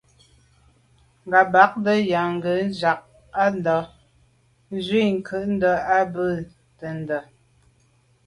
Ŋgàbándá nyâgə̀ ják á ndɑ̌’ ndzwə́ ncúndá á bì’də̌ tɛ̌ndá.